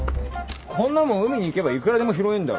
こんなもん海に行けばいくらでも拾えんだろ。